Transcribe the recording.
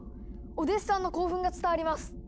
お弟子さんの興奮が伝わります。